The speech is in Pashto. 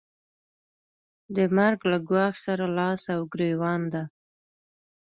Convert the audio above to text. د مرګ له ګواښ سره لاس او ګرېوان ده.